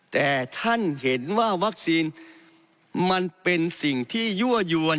แต่ท่านเห็นว่าวัคซีนมันเป็นสิ่งที่ยั่วยวน